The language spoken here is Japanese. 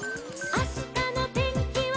「あしたのてんきは」